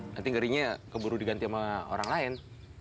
nanti ngerinya keburu diganti sama orang lain